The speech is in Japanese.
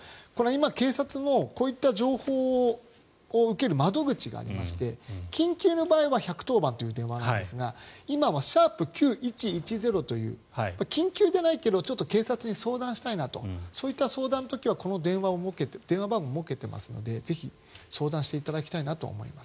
警察は今、こういった情報を受ける窓口がありまして緊急の場合は１１０番という電話なんですが今はシャープ９１１０という緊急じゃないけどちょっと警察に相談したいなとそういった相談の時はこういった電話番号を設けていますのでぜひ相談していただきたいなと思います。